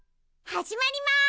はじまります。